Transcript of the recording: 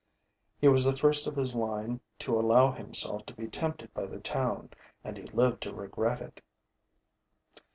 He was the first of his line to allow himself to be tempted by the town and he lived to regret it.